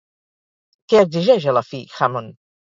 Què exigeix, a la fi, Hammond?